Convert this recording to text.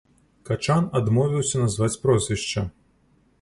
Качан адмовіўся назваць прозвішча.